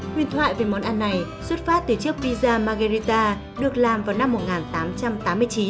nguyên thoại về món ăn này xuất phát từ chiếc pizza margherita được làm vào năm một nghìn tám trăm tám mươi chín